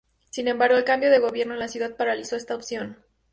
Sin embargo, el cambio de gobierno en la ciudad paralizó esa opción.